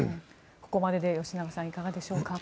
ここまでで吉永さんいかがでしょうか？